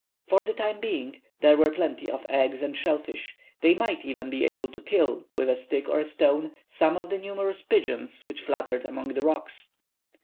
For the time being there were plenty of eggs and shell fish. They might even be able to kill, with a stick or a stone, some of the numerous pigeons which fluttered among the rocks.